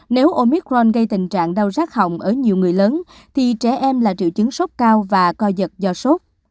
nếu omicron gây tình trạng đau rác hỏng ở nhiều người lớn thì trẻ em là triệu chứng sốt cao và coi giật do sốt